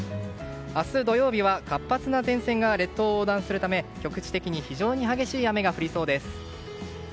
明日土曜日は活発な前線が列島を横断するため局地的に非常に激しい雨が降りそうです。